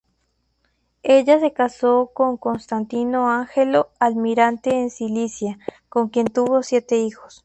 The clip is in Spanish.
Ella se caso con Constantino Ángelo, almirante en Sicilia, con quien tuvo siete hijos.